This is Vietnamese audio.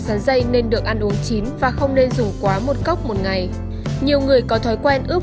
dán dây nên được ăn uống chín và không nên dù quá một cốc một ngày nhiều người có thói quen ướp